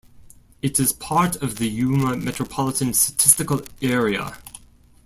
It is part of the Yuma Metropolitan Statistical Area.